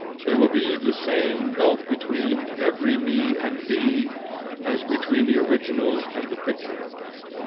There will be the same gulf between every me and thee as between the original and the picture.